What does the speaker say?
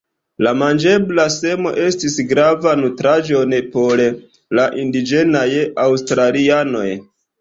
La manĝebla semo estis grava nutraĵon por la indiĝenaj aŭstralianoj.